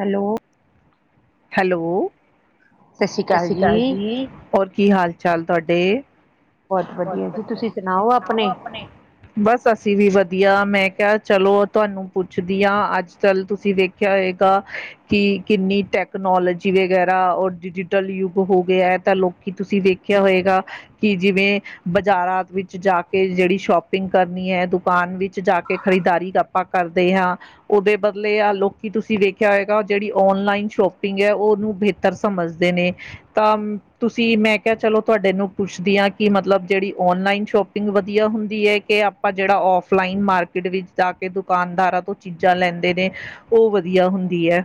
Hello. Hello, [inaudible] ਸਤਿ ਸ੍ਰੀ ਅਕਾਲ ਜੀ, ਹੋਰ ਕੀ ਹਾਲ ਚਾਲ ਤੁਹਾਡੇ? ਬਹੁਤ ਵਧੀਆ ਜੀ, ਤੁਸੀਂ ਸੁਣਾਓ ਆਪਣੇ? ਬਸ, ਅਸੀਂ ਵੀ ਵਧੀਆ ਮੈਂ ਕਿਹਾ ਚਲੋ ਤੁਹਾਨੂੰ ਪੁੱਛਦੀ ਹਾਂ ਅੱਜ ਚੱਲ ਤੁਸੀਂ ਵੇਖ ਕਿਆ ਹੋਏਗਾ, ਕਿ ਕਿੰਨੀ ਟਕ ਟਕਨੋਲੋਜੀ ਵਗੈਰਾ ਔਰ ਡਿਜ਼ੀਟਲ ਯੁੱਗ ਹੋ ਗਿਆ ਹੈ ਤਾਂ ਲੋਕੀ ਤੁਸੀਂ ਵੇਖਿਆ ਹੋਏਗਾ। ਕਿ ਜਿਵੇਂ ਬਾਜ਼ਾਰਾਂ ਵਿੱਚ ਜਾ ਕੇ ਜਿਹੜੀ ਸ਼ੋਪਿੰਗ ਕਰਨੀ ਹੈ, ਦੁਕਾਨ ਵਿੱਚ ਜਾ ਕੇ ਖਰੀਦਾਰੀ ਕਰ ਆਪਾਂ ਕਰਦੇ ਹਾਂ, ਉਹਦੇ ਬਦਲੇ ਆ ਲੋਕੀ ਤੁਸੀਂ ਵੇਖਿਆ ਹੋਏਗਾ ਜਿਹੜੀ ਔਨਲਾਈਨ ਸ਼ੋਪਿੰ ਪਿੰਗ ਐ ਉਹਨੂੰ ਬਿਹਤਰ ਸਮਝਦੇ ਨੇ। ਤਾਂ ਤੁਸੀਂ ਮੈਂ ਕਿਹਾ ਚਲੋ ਤੁਹਾਡੇ ਨੂੰ ਪੁੱਛਦੀ ਹਾਂ, ਕਿ ਮਤਲਬ ਜਿਹੜੀ ਓਨਲਾਈਨ ਸ਼ੋਪ ਵਧੀਆ ਹੁੰਦੀ ਹੈ, ਕਿ ਆਪਾਂ ਜਿਹੜਾ ਔਫਲਾਈਨ ਮਾਰਕੀਟ ਵਿੱਚ ਜਾ ਕੇ ਦੁਕਾਨਦਾਰਾਂ ਤੋਂ ਚੀਜ਼ਾਂ ਲੈਂਦੇ ਨੇ, ਉਹ ਵਧੀਆ ਹੁੰਦੀ ਹੈ।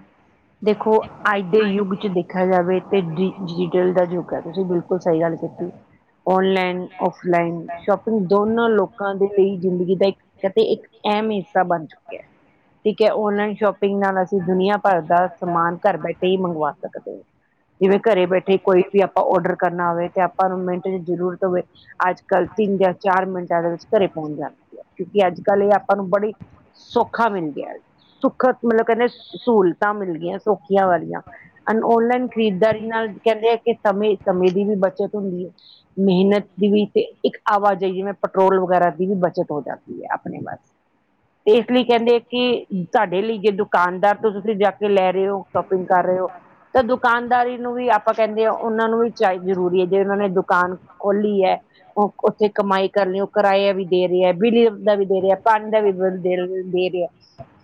ਦੇਖੋ ਅੱਜ ਦੇ ਯੁੱਗ ਚ ਦੇਖਿਆ ਜਾਵੇ, ਤੇ ਡਿ ਡਿਜ਼ੀਟਲ ਦਾ ਯੁੱਗ ਹੈ ਤੁਸੀਂ ਬਿਲਕੁਲ ਸਹੀ ਗੱਲ ਕੀਤੀ, [inaudible] ਔਨਲਾਈਨ ਔਫਲਾਈਨ, ਸ਼ੋਪਿੰਗ ਦੋਨਾਂ ਲੋਕਾਂ ਦੇ ਲਈ ਜ਼ਿੰਦਗੀ ਦਾ ਇੱਕ ਅਤੇ ਇੱਕ ਅਹਿਮ ਹਿੱਸਾ ਬਣ ਚੁੱਕਿਆ ਹੈ, ਠੀਕ ਹੈ ਓਨਲਾਈਨ ਸ਼ੋਪਿੰਗ ਨਾਲ ਅਸੀਂ ਤੇ ਦੁਨੀਆਂ ਭਰ ਦਾ ਸਮਾਨ ਘਰ ਬੈਠੇ ਹੀ ਮੰਗਵਾ ਸਕਦੇ ਹੋ। ਜਿਵੇਂ ਘਰੇ ਬੈਠੇ ਕੋਈ ਵੀ ਆਪਾਂ ਔਡਰ ਕਰਨਾ ਹੋਵੇ, ਤੇ ਆਪਾਂ ਨੂੰ ਮਿੰਟ 'ਚ ਜ਼ਰੂਰਤ ਹੋਵੇ ਅੱਜ-ਕੱਲ ਤਿੰਨ ਜਾਂ ਚਾਰ ਮਿੰਟਾਂ ਦੇ ਵਿੱਚ ਘਰੇ ਪਹੁੰਚ ਜਾਂਦੀ ਆ‌ ਕਿਉਂਕਿ ਅੱਜ-ਕੱਲ ਇਹ ਆਪਾਂ ਨੂੰ ਬੜੇ, ਸੌ ਸੋਖਾ ਮਿਲ ਗਿਆ, ਸੁੱਖ ਮਤਲਬ ਕਹਿੰਦੇ ਸਹੂਲਤਾਂ ਮਿਲ ਗਈਆਂ ਸੌਖੀਆਂ ਵਾਲੀਆਂ। ਐਡ ਔਨਲਾਈਨ ਖਰੀਦਦਾਰੀ ਨਾਲ ਕਹਿੰਦੇ ਆ ਕਿ ਸਮੇਂ-ਸਮੇਂ ਦੀ ਵੀ ਬੱਚਤ ਹੁੰਦੀ ਹੈ। ਮਿਹਨਤ ਦੀ ਵੀ ਤੇ ਇੱਕ ਆਵਾਜਾਈ ਜਿਵੇਂ ਪੈਟਰੋਲ ਵਗੈਰਾ ਦੀ ਵੀ ਬਚਤ ਹੋ ਜਾਂਦੀ ਹੈ ਆਪਣੇ ਬਸ ਤੇ ਇਸ ਲਈ ਕਹਿੰਦੇ ਕਿ ਤੁਹਾਡੇ ਲਈ ਜੇ ਦੁਕਾਨਦਾਰ ਤੋਂ ਤੁਸੀਂ ਜਾ ਕੇ ਲੈ ਰਹੇ ਹੋ ਸ਼ੋਪਿੰਗ ਕਰ ਰਹੇ ਹੋ, ਤਾਂ ਦੁਕਾਨਦਾਰੀ ਨੂੰ ਵੀ ਆਪ ਆਪਾਂ ਕਹਿੰਦੇ ਆ ਉਹਨਾਂ ਨੂੰ ਵੀ ਚਾਏ ਜ਼ਰੂਰੀ ਹੈ, ਜੇ ਉਹਨਾਂ ਨੇ ਦੁਕਾਨ ਖੋਲੀ ਹੈ, ਉਹ ਉੱਥੇ ਕਮਾਈ ਕਰਨੀ ਉਹ ਕਿਰਾਇਆ ਵੀ ਦੇ ਰਿਹਾ ਬਿਜਲੀ ਦਾ ਬੀਲ ਵੀ ਦੇ ਰਿਹਾ। ਪਾਣੀ ਦਾ ਵੀ ਬਿੱਲ ਰਿਹਾ,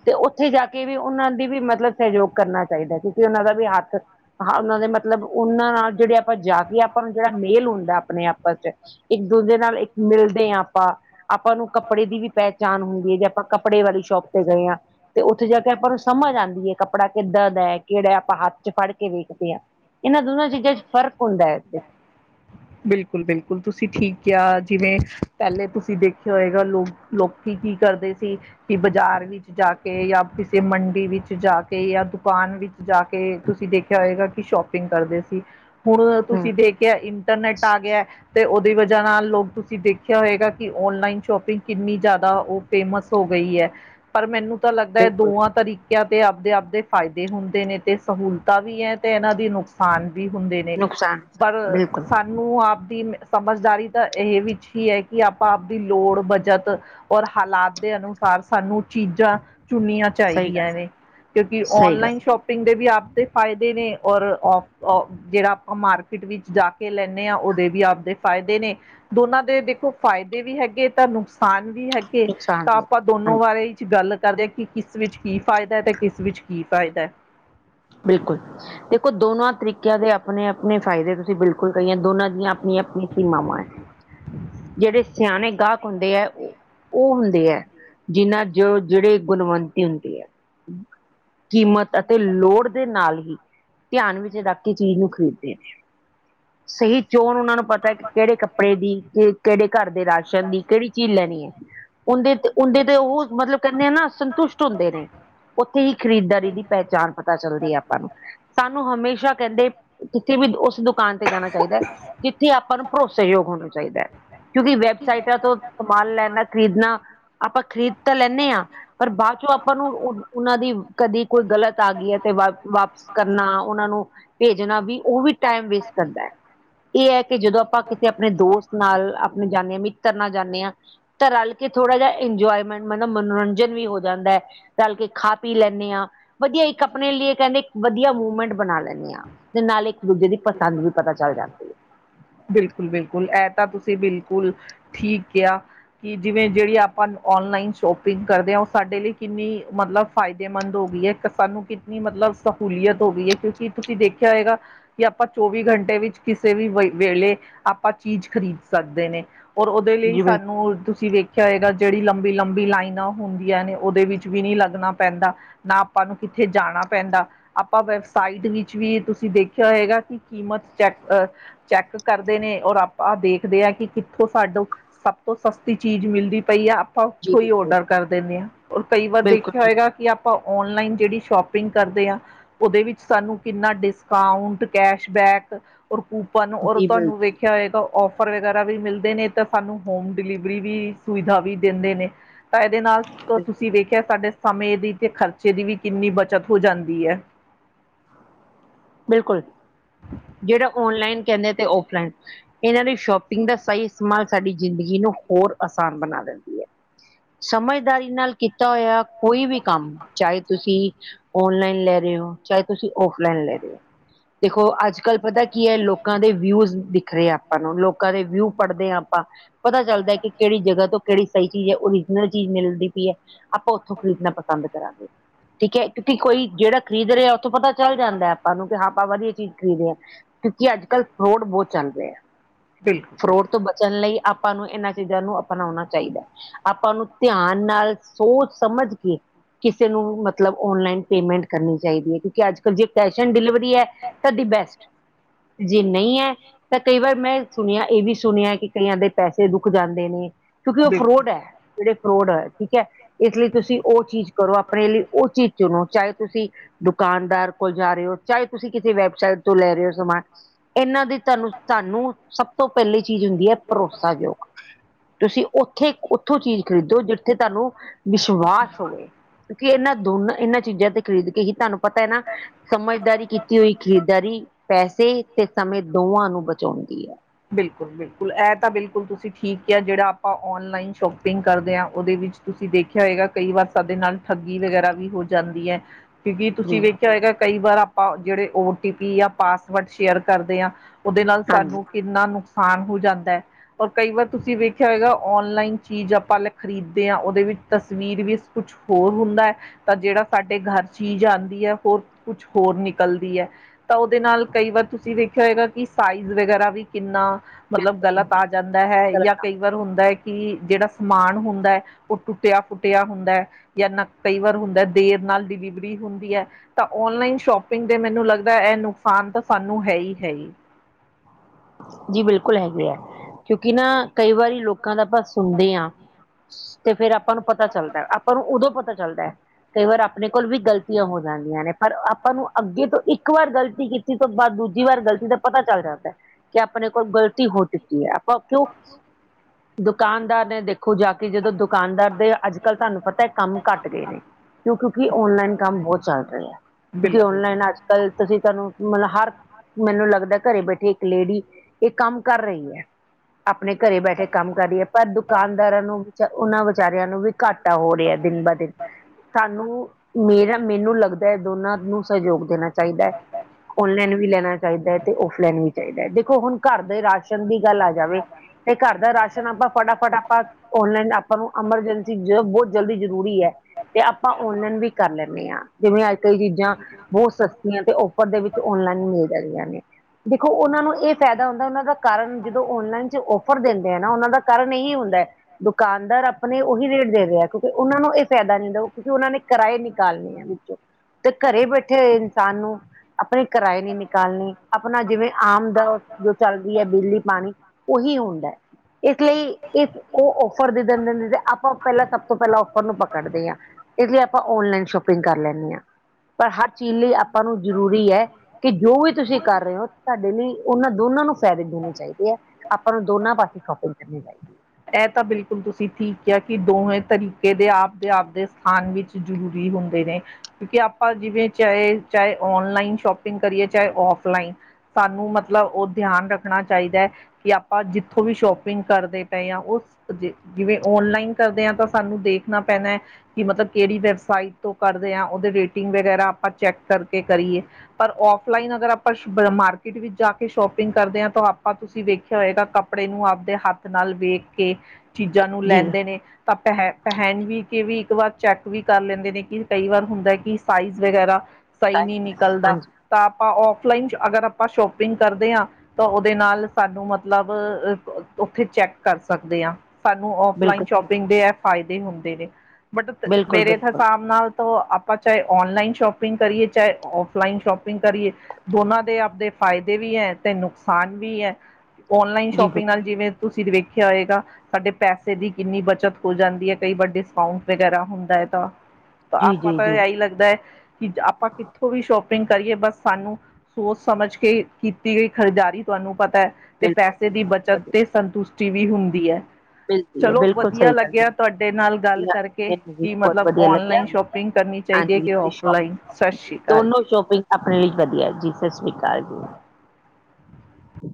ਤੇ ਉੱਥੇ ਜਾ ਕੇ ਵੀ ਉਹਨਾਂ ਦੀ ਵੀ ਮਤਲਬ ਸਹਿਯੋਗ ਕਰਨਾ ਚਾਹੀਦਾ, ਕਿਉਂਕਿ ਉਹਨਾਂ ਦਾ ਵੀ ਹੱਥ ਹਾਂ ਉਹਨਾਂ ਦੇ ਮਤਲਬ ਉਹਨਾਂ ਨਾਲ ਜਿਹੜੇ ਆਪਾਂ ਜਾ ਕੇ ਆਪਾਂ ਨੂੰ ਜਿਹੜਾ ਮੇਲ ਹੁੰਦਾ ਆਪਣੇ ਆਪਸ 'ਚ ਇੱਕ ਦੂਜੇ ਨਾਲ ਇੱਕ ਮਿਲਦੇ ਹਾਂ ਆਪਾਂ। ਆਪਾਂ ਨੂੰ ਕੱਪੜੇ ਦੀ ਵੀ ਪਹਿਚਾਣ ਹੁੰਦੀ ਹੈ, ਜੇ ਆਪਾਂ ਕੱਪੜੇ ਵਾਲੀ ਸ਼ੋਪ ਤੇ ਗਏ ਹਾਂ। ਤੇ ਉੱਥੇ ਜਾ ਕੇ ਆਪਾਂ ਨੂੰ ਸਮਝ ਆਉਂਦੀ ਹੈ, ਕੱਪੜਾ ਕਿੱਦਾਂ ਦਾ ਕਿਹੜਾ ਆਪਾਂ ਹੱਥ 'ਚ ਫੜ ਕੇ ਵੇਖਦੇ ਆ,, ਇਹਨਾਂ ਦੋਨਾਂ ਚੀਜ਼ਾਂ ਚ ਫ਼ਰਕ ਹੁੰਦਾ ਹੈ ਇਥੇ ਬਿਲਕੁਲ-ਬਿਲਕੁਲ ਤੁਸੀਂ ਠੀਕ ਕਿਹਾ, ਜਿਵੇਂ ਪਹਿਲੇ ਤੁਸੀਂ ਦੇਖਿਆ ਹੋਏਗਾ ਲੋਕ ਲੋਕੀ ਕੀ ਕਰਦੇ ਸੀ ਕਿ ਬਾਜ਼ਾਰ ਵਿੱਚ ਜਾ ਕੇ ਜਾਂ ਕਿਸੇ ਮੰਡੀ ਵਿੱਚ ਜਾ ਕੇ ਜਾਂ ਦੁਕਾਨ ਵਿੱਚ ਜਾ ਕੇ ਤੁਸੀਂ ਦੇਖਿਆ ਹੋਏਗਾ ਕਿ ਸ਼ੋਪਿੰਗ ਕਰਦੇ ਸੀ ਹੁਣ ਹਮ ਤੁਸੀਂ ਦੇ ਖਿਆ ਇੰਟਰਨੈੱਟ ਆ ਗਿਆ 'ਤੇ ਉਦੀ ਵਜਾ ਨਾਲ ਲੋਕ ਤੁਸੀਂ ਦੇਖਿਆ ਹੋਏਗਾ ਕਿ ਔਨਲਾਈਨ ਸ਼ੋਪਿੰਗ ਕਿੰਨੀ ਜਿਆਦਾ ਓ ਫੇਮਸ ਹੋ ਗਈ ਐ ਪਰ ਮੈਨੂੰ ਤਾਂ ਲੱਗਦਾ ਐ ਬਿਲਕੁਲ ਦੋਆ ਤਰੀਕਿਆਂ 'ਤੇ ਆਪਦੇ-ਆਪਦੇ ਫਾਇਦੇ ਹੁੰਦੇ ਨੇ ਤੇ ਸਹੂਲਤਾਂ ਵੀ ਐ ਤੇ ਏਨਾਂ ਦੀ ਨੁਕਸਾਨ ਵੀ ਹੁੰਦੇ ਨੇ, ਨੁਕਸਾਨ ਪਰ ਬਿਲਕੁਲ ਸਾ ਨੂੰ ਆਪਦੀ ਸਮਝਦਾਰੀ ਤਾਂ ਇਹ ਵਿੱਚ ਹੀ ਐ ਕਿ ਆਪਾਂ ਆਪਦੀ ਲੋੜ ਬਚਤ ਔਰ ਹਾਲਾਤ ਦੇ ਅਨੁਸਾਰ ਸਾਨੂੰ ਚੀਜ਼ਾਂ ਚੁਨੀਆਂ ਸਹੀ ਗੱਲ ਚਾਈਦੀਆਂ ਨੇ। ਕਿਉਂਕਿ ਸਹੀ ਗੱਲ ਔਨਲਾਈਨ ਸ਼ੋਪਿੰਗ ਦੇ ਵੀ ਆਪਦੇ ਫਾਇਦੇ ਨੇ ਔਰ ਔਫ ਓ ਜੇੜਾ ਆਪਾਂ ਮਾਰਕੀਟ ਵਿੱਚ ਜਾ ਕੇ ਲੈਂਨੇ ਆ ਉਦੇ ਵੀ ਆਪਦੇ ਫਾਇਦੇ ਨੇ। ਦੋਨਾਂ ਦੇ ਦੇਖੋ ਫਾਇਦੇ ਵੀ ਹੈਗੇ ਤਾਂ ਨੁਕ ਸਾਨ ਵੀ ਹੈਗੇ ਨੁਕਸਾਨ ਤਾਂ ਵੀ ਹੈ ਆਪਾਂ ਦੋਨੋ ਹਾਂਜੀ ਬਾਰੇ 'ਚ ਗੱਲ ਕਰਦੇ ਆ ਕਿ ਕਿਸ ਵਿੱਚ ਕੀ ਫਾਇਦਾ ਤੇ ਕਿਸ ਵਿੱਚ ਕੀ ਫਾਇਦਾ ਐ। ਬਿਲਕੁੱਲ। ਦੇਖੋ ਦੋਨਾਂ ਤਰੀਕਿਆਂ ਦੇ ਆਪਣੇ-ਆਪਣੇ ਫਾਇਦੇ ਤੁਸੀਂ ਬਿਲਕੁੱਲ ਕਈ ਐ ਦੋਨਾਂ ਦੀਆਂ ਆਪਣੀ-ਆਪਣੀ ਸੀਮਾਮਾ ਐ। ਜੇੜੇ ਸਿਆਣੇ ਗਾਕ ਹੁੰਦੇ ਐ ਓ, ਓ ਹੁੰਦੇ ਐ। ਜਿਨਾਂ ਜੋ ਜੇੜੇ ਗੁਣਵੰਤੀ ਹੁੰਦੀ ਐ, ਕੀਮਤ ਅਤੇ ਲੋ ੜ ਦੇ ਨਾਲ ਹੀ ਧਿਆਨ ਵਿੱਚ ਰੱਖ ਕੇ ਚੀਜ਼ ਨੂੰ ਖਰੀਦੇ। ਸਹੀ ਚੋਣ ਉਨਾਂ ਨੂੰ ਪਤਾ ਕੀ ਕੇੜੇ ਕੱਪੜੇ ਦੀ, ਕੇੜੇ ਘਰ ਦੇ ਰਾਸ਼ਨ ਦੀ ਕੇੜੀ ਚੀਜ਼ ਲੈਣੀ ਐ। ਹੁੰਦੇ ਤੇ, ਹੁੰਦੇ ਤੇ ਉਹ ਮਤਲਬ ਕੈਂਨੇ ਆ ਨਾ ਸੰਤੁਸ਼ਟ ਹੁੰਦੇ ਨੇ। ਉੱਥੇ ਹੀ ਖਰੀਦਦਾਰੀ ਦੀ ਪਹਿਚਾਣ ਪਤਾ ਚੱਲਦੀ ਆ ਆਪਾਂ ਨੂੰ ਸਾਨੂੰ ਹਮੇਸ਼ਾ ਕੈਂਦੇ ਕਿਥੇ ਵੀ ਉਸ ਦੁਕਾਨ ਤੇ ਜਾਣਾ ਚਾਈਦਾ ਐ ਜਿੱਥੇ ਆਪਾਂ ਨੂੰ ਭਰੋਸੇਯੋਗ ਹੋਣਾ ਚਾਈਦਾ ਐ। ਕਿਉਂਕਿ ਵੈਬਸਾਈਟਾਂ ਤੋਂ ਸਮਾਨ ਲੈਣਾ, ਖ਼ਰੀਦਣਾ ਆਪਾਂ ਖ਼ਰੀਦ ਤਾਂ ਲੈਂਨੇ ਆ ਪਰ ਬਾਅਦ ਚੋਂ ਆਪਾਂ ਨੂੰ ਉਨਾਂ ਦੀ ਕਦੀ ਕੋਈ ਗਲਤ ਆਗੀ ਐ ਤੇ ਵਾ ਵਾਪਸ ਕਰਨਾ ਉਨਾਂ ਨੂੰ ਭੇਜਣਾ ਵੀ ਓ ਵੀ ਟਾਈਮ ਵੇਸਟ ਕਰਦਾ ਐ। ਏ ਆ ਕੇ ਜਦੋਂ ਆਪਾਂ ਕਿਤੇ ਆਪਣੇ ਦੋਸਤ ਨਾਲ ਆਪਣੇ ਜਾਂਨੇ ਆ, ਮਿੱਤਰ ਨਾਲ ਜਾਂਨੇ ਆ ਤਾਂ ਰਲ ਕੇ ਥੋੜਾ ਜਾ ਇੰਜੋਏਮੈਂਟ ਮਨ ਮਨੋਰੰਜਨ ਵੀ ਹੋ ਜਾਂਦਾ ਐ। ਰਲ ਕੇ ਖਾ ਪੀ ਲੈਨੇਂ ਆ ਵਧੀਆ ਇੱਕ ਆਪ ਆਪਣੇ ਲਈ ਕੈਂਦੇ ਇੱਕ ਵਧੀਆ ਮੂਵਮੈਂਟ ਬਣਾ ਲੈਨੇਂ ਆ ਤੇ ਨਾਲ ਇੱਕ-ਦੂਜੇ ਦੀ ਪਸੰਦ ਵੀ ਪਤਾ ਚੱਲ ਜਾਂਦੀ। ਹੈ ਬਿਲਕੁੱਲ-ਬਿਲਕੁੱਲ ਐ ਤਾਂ ਤੁਸੀਂ ਬਿਲਕੁੱਲ ਠੀ ‌ਕੇਆ। ਕਿ ਜਿਵੇਂ ਜੇੜੀ ਆਪਾਂ ਔਨਲਾਈਨ ਸ਼ੋਪਿੰਗ ਕਰਦੇ ਆ ਓ ਸਾਡੇ ਲਈ ਕਿੰਨੀ ਮਤਲਬ ਫਾਇਦੇਮੰਦ ਹੋਗੀ ਏ ਕੇ ਸਾਨੂੰ ਕਿੰਨੀ ਮਤਲਬ ਸਹੂਲੀਅਤ ਹੋਗੀ ਏ ਕਿਉਂਕਿ ਦੇਖਿਆ ਹੋਏਗਾ ਕਿ ਆਪਾਂ ਚੌਵੀ ਘੰਟੇ ਵਿੱਚ ਕਿਸੇ ਵੀ ਵ ਵੇਲੇ ਆਪਾਂ ਚੀਜ਼ ਖਰੀਦ ਸਕਦੇ ਨੇ ਔਰ ਉਦੇ ਲਈ ਜੀ ਬਿਲ ਸਾਨੂੰ ਤੁਸੀਂ ਵੇ ਖਿਆ ਹੋਏਗਾ ਜੇੜੀ ਲੰਬੀ-ਲੰਬੀ ਲਾਈਨਾਂ ਹੁੰਦੀਆਂ ਨੇ ਉਦੇ ਵਿਚ ਵੀ ਨੀ ਲੱਗਣਾ ਪੈਂਦਾ। ਨਾ ਆਪਾਂ ਨੂੰ ਕਿੱਥੇ ਜਾਣਾ ਪੈਂਦਾ। ਆਪਾਂ ਵੈਬਸਾਈਟ ਵਿੱਚ ਵੀ ਤੁਸੀਂ ਦੇਖਿਆ ਹੋਏਗਾ ਕਿ ਕੀਮਤ ਚੈੱਕ ਅ ਚੈੱਕ ਕਰਦੇ ਨੇ ਔਰ ਆਪਾਂ ਦੇਖਦੇ ਆ ਕਿ ਕਿੱਥੋਂ ਸਾਡੂ ਸਭ ਤੋਂ ਸਸਤੀ ਚੀਜ਼ ਮਿਲਦੀ ਪਈ ਆ ਆ ਪਾਂ ਜੀ ਉੱਥੋਂ ਹੀ ਬਿਲਕੁਲ ਔਡਰ ਕਰ ਦਿੰਨੇ ਆ ਔਰ ਕਈ ਵਾਰ ਬਿਲਕੁਲ ਦੇਖਿਆ ਹੋਏਗਾ ਕਿ ਆ ਪਾਂ ਔਨਲਾਈਨ ਜੇੜੀ ਸ਼ੋਪਿੰਗ ਕਰਦੇ ਆ ਉਦੇ ਵਿੱਚ ਸਾਨੂੰ ਕਿੰਨਾ ਡਿਸਕਾਊਂਟ, ਕੈਸ਼ਬੈਕ ਔਰ ਕੂਪਨ ਔਰ ਜੀ ਤੁਹਾਨੂੰ ਬਿਲਕੁਲ ਵੇ ਖਿਆ ਹੋਏਗਾ ਔਫਰ ਵਗੈਰਾ ਵੀ ਮਿਲਦੇ ਨੇ ਤਾਂ ਸਾਨੂੰ ਹੋਮ ਡਿਲੀਵਰੀ ਵੀ ਸੁਵਿਧਾ ਵੀ ਦਿੰਦੇ ਨੇ। ਐਹਦੇ ਨਾਲ ਬਿਲਕੁਲ ਤੁਸੀਂ ਵੇਖਿਆ ਸਾਡੇ ਸਮੇਂ ਦੀ ਤੇ ਖਰਚੇ ਦੀ ਵੀ ਕਿੰਨੀ ਬੱਚਤ ਹੋ ਜਾਂਦੀ ਐ। ਬਿਲਕੁਲ, ਜੇੜਾ ਔਨਲਾਈਨ ਕਹਿੰਦੇ ਤੇ ਔਫਲਾਈਨ ਇਹਨਾਂ ਲਈ ਸ਼ੋਪਿੰਗ ਦਾ ਸਹੀ ਇਸਤੇਮਾਲ ਸਾਡੀ ਜ਼ਿੰਦਗੀ ਨੂੰ ਹੋਰ ਆਸਾਨ ਬਣਾ ਦਿੰਦੀ ਆ। ਸਮਝਦਾਰੀ ਨਾਲ ਕੀਤਾ ਹੋਇਆ ਕੋਈ ਵੀ ਕੰਮ, ਚਾਹੇ ਤੁਸੀਂ ਔਨਲਾਈਨ ਲੈ ਰਹੇ ਹੋ ਚਾਹੇ ਤੁਸੀਂ ਔਫਲਾਈਨ ਲੈ ਰਹੇ ਹੋ, ਦੇਖੋ ਅੱਜ-ਕੱਲ ਪਤਾ ਕੀ ਐ ਲੋਕ ਲੋਕਾਂ ਦੇ ਵਿਊਸ ਦਿਖ ਰਹੇ ਆਪਾਂ ਨੂੰ, ਲੋਕਾਂ ਦੇ ਵਿਊ ਪੜਦੇ ਆ ਆਪਾਂ ਪਤਾ ਚੱਲਦਾ ਕਿ ਕੇੜੀ ਜਗ੍ਹਾ ਤੋਂ ਕੇੜੀ ਸਹੀ ਚੀਜ਼ ਆ, ਓਰੀਜਨਲ ਚੀਜ਼ ਮਿਲਦੀ ਪਈ ਆ। ਆਪਾਂ ਉੱਥੋਂ ਖਰੀਦਣਾ ਪਸੰਦ ਕਰਾਂਗੇ, ਠੀਕ ਐ ਕਿਉਂਕਿ ਕੋਈ ਜੇੜਾ ਖਰੀਦ ਰਿਹਾ। ਉੱਥੋਂ ਪਤਾ ਚੱਲ ਜਾਂਦਾ ਐ, ਆਪਾਂ ਨੂੰ ਕਿ ਹਾਂ ਆਪਾਂ ਵਧੀਆ ਚੀਜ਼ ਖਰੀਦਣੀ ਆ ਕਿਉਂਕਿ ਅੱਜ- ਕੱਲ ਫਰੋਡ ਬਹੁਤ ਚੱਲ ਰਿਹਾ, ਬਿਲਕੁਲ ਬਿਲਕੁਲ ਫਰੋਡ ਤੋਂ ਬਚਣ ਲਈ। ਆਪਾਂ ਨੂੰ ਇਹਨਾਂ ਚੀਜ਼ਾਂ ਨੂੰ ਅਪਣਾਉਣਾ ਚਾਈਦਾ। ਆਪਾਂ ਨੂੰ ਧਿਆਨ ਨਾਲ, ਸੋਜ ਸਮਝ ਕੇ ਕਿਸੇ ਨੂੰ ਮਤਲਬ ਔਨਲਾਈਨ ਪੇਮੈਂਟ ਕਰਨੀ ਚਾਹੀਦੀ। ਕਿਉਂਕਿ ਅੱਜ- ਕੱਲ ਜੇ ਕੈਸ਼ ਏ ਡਿਲੀਵਰੀ ਐ, ਤਾਂ ਦੀ ਬੈਸਟ ਜੇ ਨਹੀਂ ਐ, ਤਾਂ ਕਈ ਵਾਰ ਮੈਂ ਸੁਣਿਆ, ਇਹ ਵੀ ਸੁਣਿਆ ਕਿ ਕਈਆਂ ਦੇ ਪੈਸੇ ਰੁਕ ਜਾਂਦੇ ਨੇ। ਕਿਉਂਕਿ ਉਹ ਫਰੋਡ ਐ, ਜੇੜੇ ਫਰੋਡ ਹੋਏ, ਠੀਕ ਹੈ ਇਸ ਲਈ ਤੁਸੀਂ ਉਹ ਚੀਜ਼ ਕਰੋ ਆਪਣੇ ਲਈ, ਉਹ ਚੀਜ਼ ਚੁਣੋ ਚਾਹੇ ਤੁਸੀਂ ਦੁਕਾਨਦਾਰ ਕੋਲ ਜਾ ਰਹੇ ਓ, ਚਾਹੇ ਤੁਸੀਂ ਕਿਸੇ ਵੈਬਸਾਈਟ ਤੋਂ ਲੈ ਰਹੇ ਹੋ ਸਮਾਨ। ਇਹਨਾਂ ਦੀ ਤੁਹਾਨੂੰ, ਤੁਹਾਨੂੰ ਸਭ ਤੋਂ ਪਹਿਲੀ ਚੀਜ਼ ਹੁੰਦੀ ਏ ਭਰੋਸਾਯੋਗ। ਤੁਸੀਂ ਉੱਥੇ, ਉੱਥੋਂ ਚੀਜ਼ ਖਰੀਦੋ ਜਿੱਥੇ ਤੁਹਾਨੂੰ ਵਿਸ਼ਵਾਸ ਹੋਵੇ। ਕਿਉਂਕਿ ਇਹਨਾਂ ਦੋਨਾਂ, ਇਹਨਾਂ ਚੀਜ਼ਾਂ ਤੇ ਖਰੀਦ ਕੇ ਹੀ ਤਾਨੂੰ ਪਤਾ ਹੈ ਨਾ ਸਮਝਦਾਰੀ ਕੀਤੀ ਹੋਈ, ਖਰੀਦਦਾਰੀ। ਪੈਸੇ ਤੇ ਸਮੇਂ ਦੋਵਾਂ ਨੂੰ ਬਚਾਉਂਦੀ ਐ। ਬਿਲਕੁਲ- ਬਿਲਕੁਲ, ਐਹ ਤਾਂ ਬਿਲਕੁਲ ਤੁਸੀਂ ਠੀਕ ਕਿਆ ਜੇੜਾ ਆਪਾਂ ਔਨਲਾਈਨ ਸ਼ੋਪ ਸ਼ੋਪਿੰਗ ਕਰਦੇ ਆਂ, ਉਹਦੇ ਵਿੱਚ ਤੁਸੀਂ ਦੇਖਿਆ ਹੋਏਗਾ ਕਈ ਵਾਰ ਸਾਡੇ ਨਾਲ ਠੱਗੀ ਵਗੈਰਾ ਵੀ ਹੋ ਜਾਂਦੀ ਐ ਕਿਉਂਕਿ ਜੀ ਤੁਸੀਂ ਵੇਖਿਆ ਹੋਏਗਾ, ਕਈ ਵਾਰ ਆਪਾਂ ਜਿਹੜੇ O T P, password share ਕਰਦੇ ਆਂ। ਉਹਦੇ ਨਾਲ ਹਾਂਜੀ ਸਾਨੂੰ ਕਿੰਨਾ ਨੁਕਸਾਨ ਹੋ ਜਾਂਦਾ ਐ ਔਰ ਕਈ ਵਾਰ ਤੁਸੀਂ ਵੇਖਿਆ ਹੋਏਗਾ ਔਨਲਾਈਨ ਚੀਜ਼ ਆਪਾਂ ਲ ਖਰੀਦਦੇ ਆਂ, ਉਹਦੇ ਵਿੱਚ। ਤਸਵੀਰ ਵਿੱਚ ਕੁਛ ਹੋਰ ਹੁੰਦਾ ਤਾਂ ਜੇੜਾ ਸਾਡੇ ਗਰ ਚੀਜ਼ ਆਉਂਦੀ ਆ ਹੋਰ ਕੁਛ ਹੋਰ ਨਿਕਲਦੀ ਐ। ਤਾਂ ਉਹਦੇ ਨਾਲ ਕਈ ਵਾਰ ਤੁਸੀਂ ਵੇਖਿਆ ਹੋਏਗਾ ਕਿ ਸਾਈਜ਼ ਵਗੈਰਾ ਵੀ ਕਿੰਨਾ ਮਤਲਬ ਗਲਤ ਆ ਜਾਂਦਾ ਹੈ, ਚਲੋ ਜਾਂ ਕਈ ਵਾਰ ਹੁੰਦਾ ਐ ਕਿ ਜੇੜਾ ਸਮਾਨ ਹੁੰਦਾ ਹੈ, ਉਹ ਟੁੱਟਿਆ- ਫੁੱਟਿਆ ਹੁੰਦਾ ਐ, ਜਾਂ ਨੱਕ ਕਈਵਾਰ ਹੁੰਦਾ ਦੇਰ ਨਾਲ ਡਿਲੀਵਰੀ ਹੁੰਦੀ ਐ ਤਾਂ ਔਨਲਾਈਨ ਸ਼ੋਪਿੰਗ ਦੇ ਮੈਨੂੰ ਲੱਗਦਾ ਐਹ ਨੁਕਸਾਨ ਤਾਂ ਸਾਨੂੰ ਹੈ ਹੀ ਹੈ ਹੀ। ਜੀ ਬਿਲਕੁਲ ਹੈਗੇ ਹੈ, ਕਿਉਂਕਿ ਨਾ, ਕਈ ਵਾਰੀ ਲੋਕਾਂ ਦਾ ਆਪਾਂ ਸੁਣਦੇ ਆਂ। ਤੇ ਫਿਰ ਆਪਾਂ ਨੂੰ ਪਤਾ ਚੱਲਦਾ, ਆਪਾਂ ਨੂੰ ਉਦੋਂ ਪਤਾ ਚੱਲਦਾ, ਕਈ ਵਾਰ ਆਪਣੇ ਉਹ ਕੋਲ ਵੀ ਗਲਤੀਆਂ ਹੋ ਜਾਂਦੀਆਂ ਨੇ ਪਰ ਆਪਾਂ ਨੂੰ ਅੱਗੇ ਤੋਂ ਇੱਕ ਵਾਰ ਗਲਤੀ ਕੀਤੀ ਤੋਂ ਬਾਅਦ ਦੂਜੀ ਵਾਰ ਗਲਤੀ ਦਾ ਪਤਾ ਚੱਲ ਜਾਣ ਪਤਾ, ਕਿ ਆਪਣੇ ਕੋਲ ਗਲਤੀ ਹੋ ਚੁੱਕੀ ਐ। ਆਪਾਂ ਕਿਉਂ, ਦੁਕਾਨਦਾਰ ਨੇ ਦੇਖ ਦੇਖੋ ਜਾ ਕੇ ਜਦੋਂ ਦੁਕਾਨਦਾਰ ਦੇ ਅੱਜ -ਕੱਲ ਤੁਹਾਨੂੰ ਪਤਾ ਹੈ ਕੰਮ ਘੱਟ ਗਏ ਨੇ। ਕਿਉਂ, ਕਿਉਂਕਿ ਔਨਲਾਈਨ ਕੰਮ ਬਹੁਤ ਚੱਲ ਰਿਹਾ ਹੈ ਕਿਉਂਕਿ ਬਿਲਕੁਲ ਔਨਲਾਈਨ ਅੱਜ ਕੱਲ ਤੁਸੀਂ ਤੁਹਾਨੂੰ, ਮਤ ਹਰ, ਮੈਨੂੰ ਲੱਗਦਾ ਘਰੇ ਬੈਠੀ ਇਕ ਲੇਡੀ, ਇਹ ਕੰਮ ਕਰ ਰਹੀ ਐ। ਆਪਣੇ ਘਰੇ ਬੈਠੇ ਕੰਮ ਕਰ ਰਹੀਏ, ਪਰ ਦੁਕਾਨਦਾਰਾਂ ਨੂੰ ਵਿਚ ਉਹਨਾਂ ਵਿਚਾਰਿਆਂ ਨੂੰ ਵੀ ਘਾਟਾ ਹੋ ਰਿਹਾ, ਦਿਨ ਬ ਦਿਨ। ਸਾਨੂੰ ਮੇਰਾ ਮੈਨੂੰ ਲੱਗਦਾ ਹੈ ਦੋਨਾਂ ਨੂੰ ਸਹਿਯੋਗ ਦੇਣਾ ਚਾਹੀਦਾ ਹੈ। ਔਨਲਾਈਨ ਵੀ ਲੈਣਾ ਚਾਹੀਦਾ ਹੈ ਤੇ ਔਫਲਾਈਨ ਵੀ ਚਾਹੀਦਾ ਦੇਖੋ ਹੁਣ ਘਰ ਦੇ ਰਾਸ਼ਨ ਦੀ ਗੱਲ ਆ ਜਾਵੇ ਤੇ ਘਰ ਦਾ ਰਾਸ਼ਨ ਆਪਾਂ ਫਟਾਫਟ ਆਪਾਂ ਔਨਲਾਈਨ ਆਪਾਂ ਨੂੰ ਐਮਰਜੈਂਸੀ ਬਹੁਤ ਜਲਦੀ ਜ਼ਰੂਰੀ ਏ ਤੇ ਆਪਾ ਓਨਲਾਈਨ ਵੀ ਕਰ ਲੈਂਨੇ ਆ। ਜਿਵੇਂ ਅੱਜ ਕੱਲ੍ਹ ਚੀਜ਼ਾਂ ਬਹੁਤ ਸਸਤੀਆਂ ਤੇ ਔਫਰ ਦੇ ਵਿੱਚ ਔਨਲਾਈਨ ਮਿਲ ਜਾਂਦੀਆਂ ਨੇ। ਦੇਖੋ ਉਹਨਾਂ ਨੂੰ ਇਹ ਫ਼ਾਇਦਾ ਹੁੰਦਾ ਉਹਨਾਂ ਦਾ ਕਾਰਨ ਜਦੋਂ ਔਨਲਾਈਨ ਚ ਔਫਰ ਦਿੰਦੇ ਏ ਨਾ ਉਹਨਾਂ ਦਾ ਕਾਰਨ ਇਹੀ ਹੁੰਦਾ। ਦੁਕਾਨਦਾਰ ਆਪਣੇ ਉਹੀ ਰੇਟ ਦੇ ਰਹੇ ਆ ਕਿਉਂਕਿ ਉਹਨਾਂ ਨੂੰ ਇਹ ਫਾਇਦਾ ਨੀ ਹੁੰਦਾ ਕਿਉਂਕਿ ਉਹਨਾਂ ਨੇ ਕਿਰਾਏ ਨਿਕਾਲਣੇ ਆ ਤੇ ਘਰੇ ਬੈਠੇ ਹੋਏ ਇਨਸਾਨ ਨੂੰ ਆਪਣੇ ਕਿਰਾਏ ਨੀ ਨਿਕਾਲਣੇ ਆਪਣਾ ਜਿਵੇਂ ਆਮ ਦਾ ਜੋ ਚੱਲਦੀ ਹੈ ਬਿਜਲੀ ਪਾਣੀ ਉਹੀ ਹੁੰਦਾ ਹੈ। ਇਸ ਲਈ ਇਸ ਉਹ ਔਫਰ ਦੇ ਦਿੰਦੇ ਨੇ ਤੇ ਆਪਾਂ ਪਹਿਲਾਂ ਸਭ ਤੋਂ ਪਹਿਲਾਂ ਔਫਰ ਨੂੰ ਪਕੜਦੇ ਹਾਂ। ਇਸ ਲਈ ਆਪਾਂ ਔਨਲਾਈਨ ਸ਼ੋਪਿੰਗ ਕਰ ਲੈਂਨੇ ਹਾਂ। ਪਰ ਹਰ ਚੀਜ਼ ਲਈ ਆਪਾਂ ਨੂੰ ਜ਼ਰੂਰੀ ਏ ਕਿ ਜੋ ਵੀ ਤੁਸੀਂ ਕਰ ਰਹੇ ਹੋ ਸਾਡੇ ਲਈ ਉਹਨਾਂ ਦੋਨਾਂ ਨੂੰ ਫਾਇਦੇ ਦੇਣੇ ਚਾਹੀਦੇ ਆ ਆਪਾਂ ਨੂੰ ਦੋਨਾਂ ਪਾਸੇ ਕੋਪਿਗ ਕਰਨੇ ਚਾਹੀਦੇ ਇਹ ਤਾਂ ਬਿਲਕੁਲ ਤੁਸੀਂ ਠੀਕ ਕਿਹਾ ਕਿ ਦੋਵੇਂ ਤਰੀਕੇ ਦੇ ਆਪਦੇ ਆਪਦੇ ਸਥਾਨ ਵਿੱਚ ਜ਼ਰੂਰੀ ਹੁੰਦੇ ਨੇ ਕਿਉਂਕਿ, ਆਪਾਂ ਜਿਵੇਂ ਚਾਹੇ -ਚਾਹੇ ਔਨਲਾਈਨ ਸ਼ੋਪਿੰਗ ਕਰੀਏ ਚਾਹੇ ਔਫਲਾਈਨ ਸਾਨੂੰ ਮਤਲਬ ਉਹ ਧਿਆਨ ਰੱਖਣਾ ਚਾਹੀਦਾ ਹੈ। ਕਿ ਆਪਾਂ ਜਿੱਥੋਂ ਵੀ ਸ਼ੋਪਿੰਗ ਕਰਦੇ ਪਏ ਆ ਉਹ ਜਿਵੇਂ ਔਨਲਾਈਨ ਕਰਦੇ ਹਾਂ ਤਾਂ ਸਾਨੂੰ ਦੇਖਣਾ ਪੈਣਾ ਕਿ ਮਤਲਬ ਕਿਹੜੀ ਵੈਬਸਾਈਟ ਤੋਂ ਕਰਦੇ ਹਾਂ ਉਹਦੇ ਰੇਟਿੰਗ ਵਗੈਰਾ ਆਪਾਂ ਚੈੱਕ ਕਰਕੇ ਕਰੀਏ। ਪਰ ਔਫਲਾਈਨ ਅਗਰ ਆਪਾਂ ਸੁਪ ਮਾਰਕੀਟ ਵਿੱਚ ਜਾ ਕੇ ਸ਼ੋਪਿੰਗ ਕਰਦੇ ਹਾਂ ਤਾਂ ਆਪਾਂ ਤੁਸੀਂ ਵੇਖਿਆ ਹੋਏਗਾ ਕੱਪ ਕੱਪੜੇ ਨੂੰ ਆਪਣੇਂ ਹੱਥ ਨਾਲ ਵੇਖ ਕੇ ਚੀਜ਼ਾਂ ਨੂੰ ਜੀ ਲੈਂਦੇ ਨੇ ਤਾਂ ਪਹਿਨ ਪਹਿਣ ਵੀ ਕੇ ਵੀ ਇੱਕ ਵਾਰ ਚੈੱਕ ਵੀ ਕਰ ਲੈਂਦੇ ਨੇ ਕਿ ਕਈ ਵਾਰ ਹੁੰਦਾ ਕਿ ਸਾਈਜ਼ ਵਗੈਰਾ ਸਹੀ ਨਹੀਂ ਨਿਕਲਦਾ ਹਾਂਜੀ ਤਾਂ ਆਪਾਂ ਔਫਲਾਈਨ ਅਗਰ ਆਪਾਂ ਸ਼ੋਪਿੰਗ ਕਰਦੇ ਹਾਂ ਤਾਂ ਉਹਦੇ ਨਾਲ ਸਾਨੂੰ ਮਤਲਬ 'ਚ' ਉੱਥੇ ਚੈੱਕ ਕਰ ਸਕਦੇ ਹਾਂ, ਸਾਨੂੰ ਔਫਲਾਈਨ ਬਿਲਕੁਲ ਸ਼ੋਪਿੰਗ ਦੇ ਇਹ ਫਾਇਦੇ ਹੁੰਦੇ ਨੇ ਬਟ ਬਿਲਕੁਲ ਮੇਰੇ ਬਿਲਕੁਲ ਹਿਸਾਬ ਨਾਲ ਤੋ ਆਪਾਂ ਚਾਹੇ ਔਨਲਾਈਨ ਸ਼ੋਪਿੰਗ ਕਰੀਏ, ਚਾਹੇ ਔਫਲਾਈਨ ਸ਼ੋਪਿੰਗ ਕਰੀਏ, ਦੋਨਾਂ ਦੇ ਆਪਦੇ ਫਾਇਦੇ ਵੀ ਏ ਤੇ ਨੁਕਸਾਨ ਵੀ ਏ ਔਨਲਾਈਨ ਜੀ ਸ਼ੋਪਿੰਗ ਬਿਲਕੁਲ ਨਾਲ ਜਿਵੇਂ ਤੁਸੀਂ ਵੇਖਿਆ ਹੋਏਗਾ ਸਾਡੇ ਪੈਸੇ ਦੀ ਕਿੰਨੀ ਬੱਚਤ ਹੋ ਜਾਂਦੀ ਹੈ। ਕਈ ਵਾਰ ਡਿਸਕਾਊਂਟ ਵਗੈਰਾ ਹੁੰਦਾ ਹੈ ਤਾਂ ਜੀ ਜੀ ਆਪਾਂ ਤਾਂ ਜੀ ਇਹੀ ਲੱਗਦਾ ਕਿ ਆਪਾਂ ਕਿੱਥੋਂ ਵੀ ਸ਼ੋਪਿੰਗ ਕਰੀਏ ਬਸ ਸਾਨੂੰ ਸੋਚ - ਸਮਝ ਕੇ ਕੀਤੀ ਗਈ ਖਰਦਾਰੀ ਤੁਹਾਨੂੰ ਪਤਾ ਤੇ ਬਿਲਕੁਲ ਪੈਸੇ ਦੀ ਬੱਚਤ ਵਧੀਆ ਤੇ ਸੰਤੁਸ਼ਟੀ ਵੀ ਹੁੰਦੀ ਆ। ਮਿਲਦੀ ਹੈ ਚਲੋ ਬਿਲਕੁਲ ਵਧੀਆ ਸਹੀ ਗੱਲ ਲੱਗਿਆ, ਤੁਹਾਡੇ ਨਾਲ ਗੱਲ ਜੀ ਹਾਂ, ਕਰਕੇ ਮੈਨੂੰ ਵੀ ਕਿ ਬਹੁਤ ਮਤਲਬ ਵਧੀਆ ਲੱਗਿਆ ਔਨਲਾਈਨ ਸ਼ੋਪਿੰਗ ਕਰਨੀ ਚਾਹੀਦੇ ਹਾਂਜੀ ਕਿ ਤੇ ਸ਼ੋਪ ਔਫਲਾਈਨ ਸਤਿ ਸ੍ਰੀ ਅਕਾਲ ਦੋਨੋ ਜੀ। ਸ਼ੋਪਿੰਗ ਆਪਣੇ ਲਈ ਵਧੀਆ ਜੀ ਸਸਰੀ ਅਕਾਲ ਜੀ।